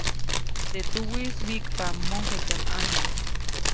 Teʼ tuwiʼis wyiʼkpa mosatyaʼm ʼane.